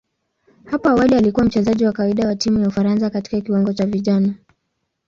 Hapo awali alikuwa mchezaji wa kawaida wa timu ya Ufaransa katika kiwango cha vijana.